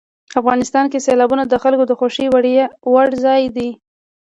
افغانستان کې سیلابونه د خلکو د خوښې وړ ځای دی.